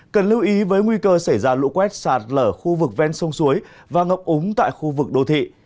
cần lưu ý với nguy cơ xảy ra lũ quét sạt lở khu vực ven sông suối và ngập úng tại khu vực đô thị